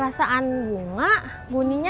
rasaan bunga bunyinya